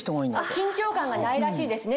緊張感がないらしいですね